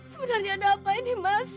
sebenarnya ada apa ini mas